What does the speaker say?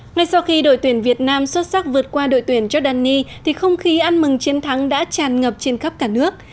ngay sau khi đội tuyển việt nam xuất sắc vượt qua đội tuyển jordani thì không khí ăn mừng chiến thắng đã tràn ngập trên khắp cả nước